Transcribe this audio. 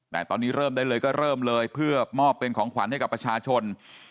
แต่ตอนนี้เริ่มได้เลยก็เริ่มเลยเพื่อมอบเป็นของขวัญให้กับประชาชน